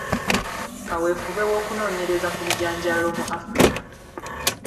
Kaweefube w’okunoonyereza ku bijanjaalo mu Africa.